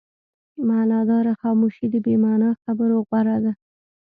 معناداره خاموشي د بې معنا خبرو غوره ده.